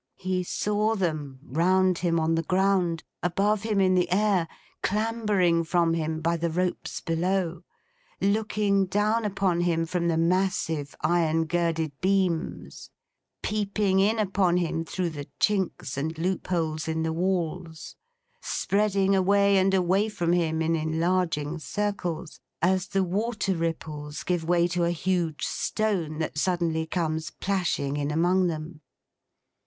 He saw them, round him on the ground; above him, in the air; clambering from him, by the ropes below; looking down upon him, from the massive iron girded beams; peeping in upon him, through the chinks and loopholes in the walls; spreading away and away from him in enlarging circles, as the water ripples give way to a huge stone that suddenly comes plashing in among them.